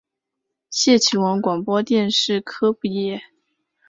谢其文广播电视科毕业。